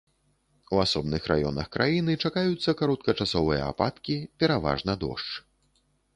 У асобных раёнах краіны чакаюцца кароткачасовыя ападкі, пераважна дождж.